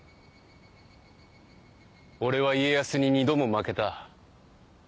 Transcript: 俺は家康に二度も負けた。